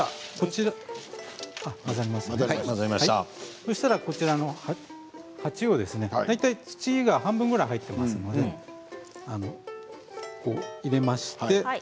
そしたらこちらの鉢を大体、土が半分ぐらい入っていますので入れまして。